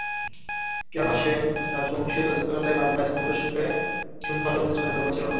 কেননা সেন রাজবংশের রাজত্বকালে বাংলার স্থাপত্যশিল্পে চুন-বালু মিশ্রণের ব্যবহার ছিল না।